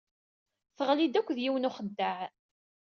Teɣli-d akked yiwen n uxeddaɛ.